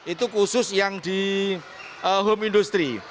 itu khusus yang di home industry